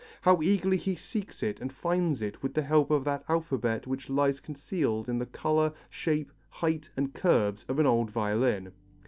How eagerly he seeks it and finds it with the help of that alphabet which lies concealed in the colour, shape, height and curves of an old violin."